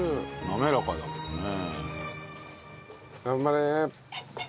なめらかだけどね。